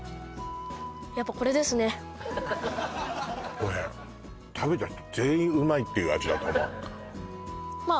これ食べた人全員うまいって言う味だと思うまあ